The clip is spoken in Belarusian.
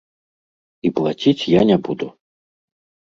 І плаціць я не буду.